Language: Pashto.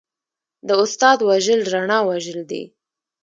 د استاد وژل رڼا وژل دي.